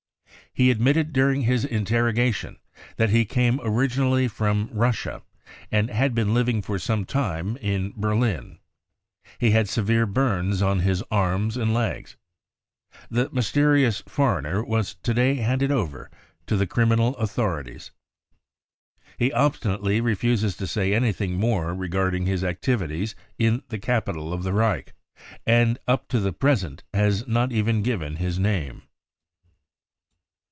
Pie admitted during his interroga tion that he came originally from Russia and had been living for some time in Berlin. He had severe burns on his arms and legs. The mysterious foreigner was to day handed over to the criminal authorities. 44 He obstinately refuses to say anything more regarding his activities in the capital of the Reich, and up to the present has not even given his name."